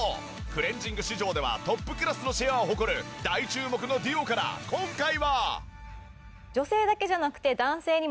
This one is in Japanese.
クレンジング市場ではトップクラスのシェアを誇る大注目のＤＵＯから今回は。